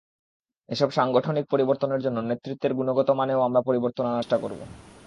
এসব সাংগঠনিক পরিবর্তনের জন্য নেতৃত্বের গুণগত মানেও আমরা পরিবর্তন আনার চেষ্টা করব।